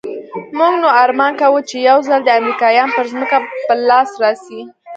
موږ نو ارمان کاوه چې يو ځل دې امريکايان پر ځمکه په لاس راسي.